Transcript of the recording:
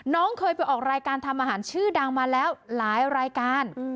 น้องเคยไปออกรายการทำอาหารชื่อดังมาแล้วหลายรายการ